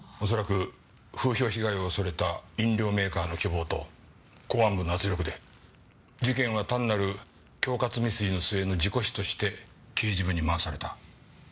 恐らく風評被害を恐れた飲料メーカーの希望と公安部の圧力で事件は単なる恐喝未遂の末の事故死として刑事部に回された。